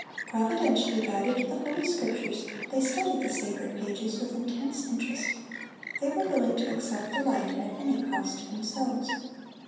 Providentially guided to the Holy Scriptures, they studied the sacred pages with intense interest. They were willing to accept the light, at any cost to themselves.